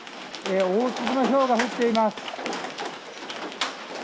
大粒のひょうが降っています。